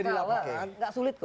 tidak sulit kok